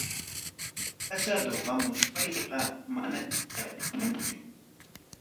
Casado hamuspayqa manacha takiymanchu